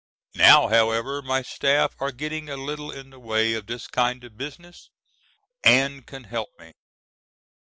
Now, however, my staff are getting a little in the way of this kind of business and can help me.